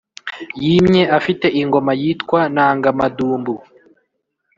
yimye afite ingoma yitwa nangamadumbu.